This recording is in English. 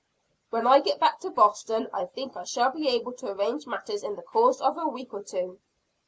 "When I get back to Boston, I think I shall be able to arrange matters in the course of a week or two."